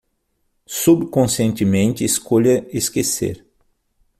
Subconscientemente escolha esquecer